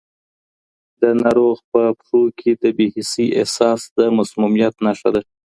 د ناروغ په پښو کې د بې حسۍ احساس د مسمومیت نښه ده.